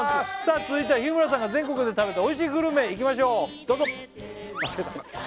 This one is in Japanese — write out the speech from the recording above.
続いては日村さんが全国で食べた美味しいグルメいきましょうどうぞ！